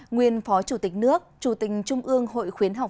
nguyên phó chủ tịch nước chủ tình trung ương hội khuyến học